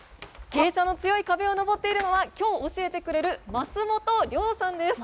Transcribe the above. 傾斜の強い壁を登っているのは、きょう教えてくれる、増本亮さんです。